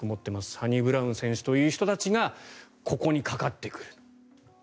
サニブラウン選手という人たちがここにかかってくると。